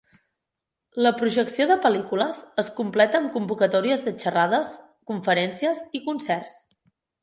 La projecció de pel·lícules es completa amb convocatòries de xerrades, conferències i concerts.